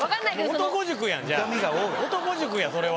『男塾』やそれは。